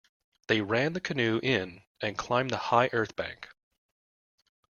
They ran the canoe in and climbed the high earth bank.